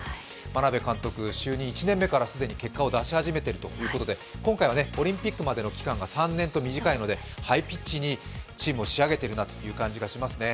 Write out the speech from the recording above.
眞鍋監督、就任１年目から既に結果を出し始めているということで今回はオリンピックまでの期間がり３年と短いのでハイピッチにチームを仕上げている感じがしますね。